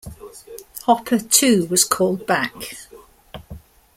Hopper, too, was called back.